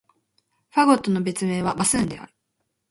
ファゴットの別名は、バスーンである。